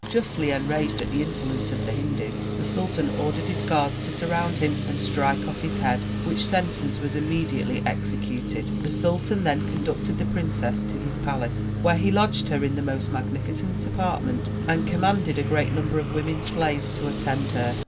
Justly enraged at the insolence of the Hindu, the sultan ordered his guards to surround him and strike off his head, which sentence was immediately executed. The sultan then conducted the princess to his palace, where he lodged her in the most magnificent apartment and commanded a great number of women slaves to attend her.